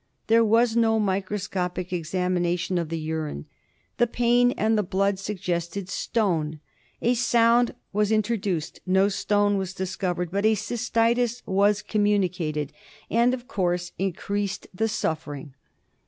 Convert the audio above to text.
There was no microscopic examination of the urine. The pain and the blood suggested stone. A sound was intro duced. No stone was discovered, but a cystitis was com municated and, of course, increased the suffering.